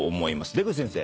出口先生。